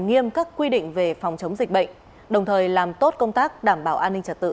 nghiêm các quy định về phòng chống dịch bệnh đồng thời làm tốt công tác đảm bảo an ninh trật tự